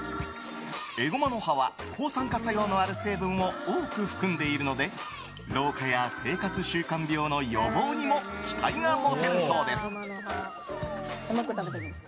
エゴマの葉は抗酸化作用のある成分を多く含んでいるので老化や生活習慣病の予防にも期待が持てるそうです。